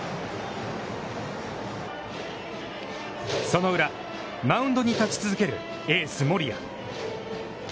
その裏、マウンドに立ち続けるエース森谷。